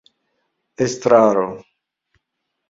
estraro